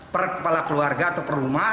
per kepala keluarga atau per rumah